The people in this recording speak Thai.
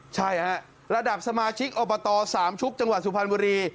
ใช่ฮะระดับสมาชิกอบตสามชุกจังหวัดสุพรรณบุรี